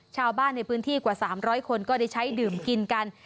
ชาวบ้านในพื้นที่กว่า๓๐๐คนก็ได้ใช้ดื่มกินกัน